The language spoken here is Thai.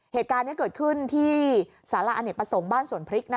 เหตุการณ์นี้เกิดขึ้นที่สาระอเนกประสงค์บ้านสวนพริก